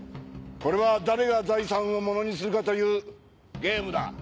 これは誰が財産をものにするかというゲームだ。